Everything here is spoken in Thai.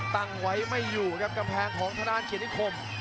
ตั้งไว้ไม่อยู่ครับกำแพงของทางด้านเกียรตินิคม